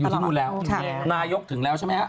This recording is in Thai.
ที่นู่นแล้วนายกถึงแล้วใช่ไหมฮะ